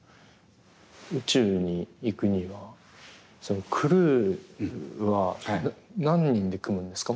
宇宙に行くにはクルーは何人で組むんですか？